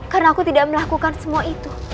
karena aku tidak melakukan semua itu